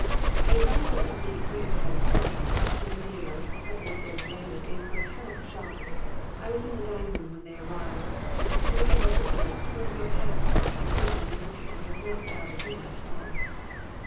"The arrival of the 'understudy' skeletons from the dealers a couple of days later gave her a terrible shock. I was in the dining room when they arrived and through the open door heard what passed; and certainly the incident was not without a humorous side.